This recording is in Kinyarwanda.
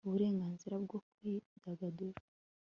uburenganzira bwo kwidagadura